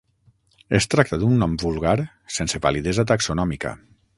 Es tracta d'un nom vulgar sense validesa taxonòmica.